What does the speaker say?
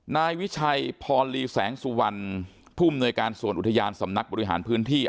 นายวิชัยพรลีแสงสุวรรณภูมิหน่วยการส่วนอุทยานสำนักบริหารพื้นที่